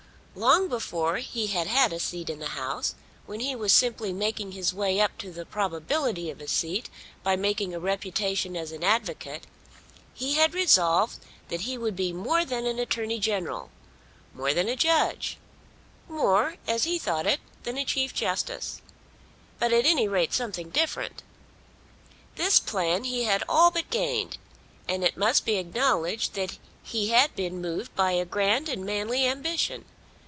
Long before he had had a seat in the House, when he was simply making his way up to the probability of a seat by making a reputation as an advocate, he had resolved that he would be more than an Attorney General, more than a judge, more, as he thought it, than a Chief Justice; but at any rate something different. This plan he had all but gained, and it must be acknowledged that he had been moved by a grand and manly ambition.